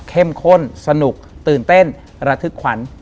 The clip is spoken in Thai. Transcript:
ข้นสนุกตื่นเต้นระทึกขวัญ